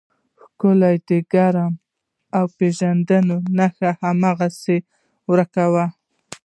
ښکل دې کړم او د پېژندنې نښه هماغسې ورکه وه.